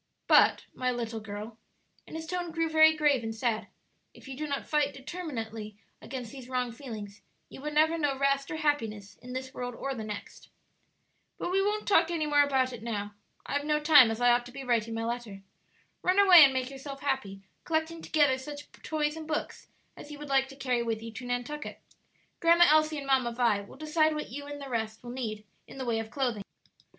But, my little girl," and his tone grew very grave and sad, "if you do not fight determinately against these wrong feelings you will never know rest or happiness in this world or the next. "But we won't talk any more about it now; I have no time, as I ought to be writing my letter. Run away and make yourself happy, collecting together such toys and books as you would like to carry with you to Nantucket. Grandma Elsie and Mamma Vi will decide what you and the rest will need in the way of clothing."